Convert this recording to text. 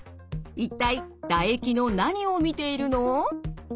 一体唾液の何を見ているの？